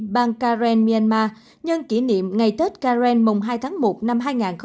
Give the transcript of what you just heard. ban karen myanmar nhân kỷ niệm ngày tết karen mùng hai tháng một năm hai nghìn hai mươi hai